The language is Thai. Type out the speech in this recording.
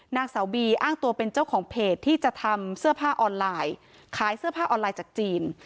นางสาวบีอ้างตัวเป็นเจ้าของเพจที่จะทำเสื้อผ้าออนไลน์ขายเสื้อผ้าออนไลน์จากจีน